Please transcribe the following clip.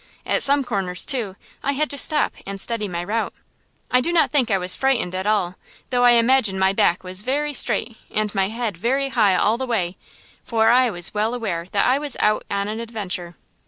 At some corners, too, I had to stop and study my route. I do not think I was frightened at all, though I imagine my back was very straight and my head very high all the way; for I was well aware that I was out on an adventure.